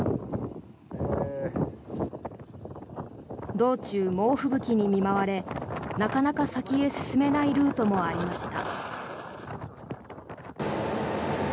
道中、猛吹雪に見舞われなかなか先へ進めないルートもありました。